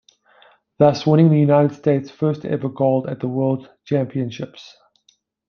Thus winning the United States's first ever gold at the World Championships.